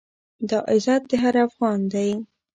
دا عزت د هر افــــغـــــــان دی،